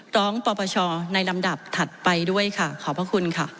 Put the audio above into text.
ปปชในลำดับถัดไปด้วยค่ะขอบพระคุณค่ะ